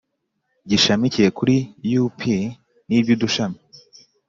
gishamikiye kuri U P n iby udushami